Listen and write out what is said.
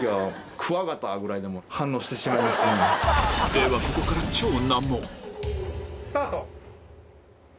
ではここからスタート。